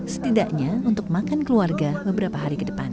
setidaknya untuk makan keluarga beberapa hari ke depan